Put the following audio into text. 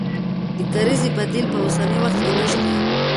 د کرزي بديل په اوسني وخت کې نه شته.